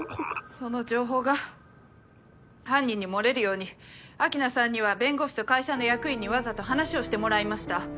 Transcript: その情報が犯人に漏れるように秋菜さんには弁護士と会社の役員にわざと話をしてもらいました。